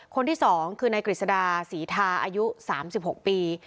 คนที่๒คือนายกฤษดาศรีทาอายุ๓๖ปี